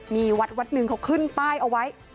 มีวัดวัดหนึ่งเขาขึ้นป้ายเอาไว้